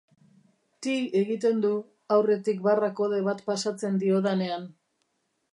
Ti egiten du, aurretik barra kode bat pasatzen diodanean.